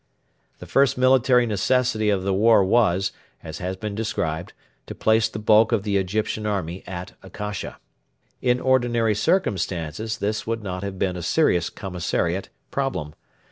The first military necessity of the war was, as has been described, to place the bulk of the Egyptian army at Akasha. In ordinary circumstances this would not have been a serious commissariat problem.